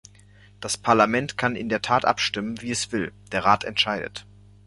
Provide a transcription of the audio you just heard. Das Parlament kann in der Tat abstimmen, wie es will, der Rat entscheidet.